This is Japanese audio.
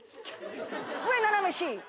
上斜めＣ。